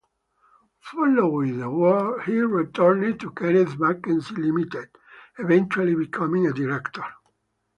Following the war, he returned to Kenneth Mackenzie Limited, eventually becoming a director.